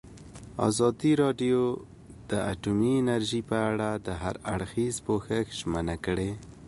ازادي راډیو د اټومي انرژي په اړه د هر اړخیز پوښښ ژمنه کړې.